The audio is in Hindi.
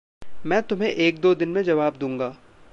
मैं तुम्हें एक-दो दिन में जवाब दूँगा।